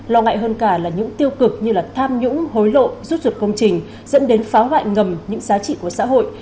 lo ngại hơn cả là những tiêu cực như tham nhũng hối lộ rút ruột công trình dẫn đến phá hoại ngầm những giá trị của xã hội